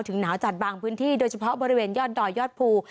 หนาวจัดบางพื้นที่โดยเฉพาะบริเวณยอดดอยยอดภู